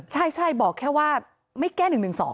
ใช่บอกแค่ว่าไม่แก้๑๑๒